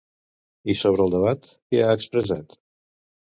I sobre el debat què ha expressat?